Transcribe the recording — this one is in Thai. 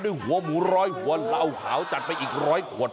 หัวหมูร้อยหัวเหล้าขาวจัดไปอีกร้อยขวด